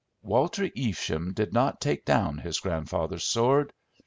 Walter Evesham did not take down his grandfather's sword.